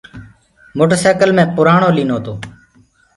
موٽر سيڪل مينٚ پُرآڻو ليٚنو تو۔